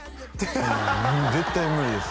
もう絶対無理です